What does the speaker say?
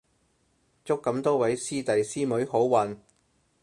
祝咁多位師弟師妹好運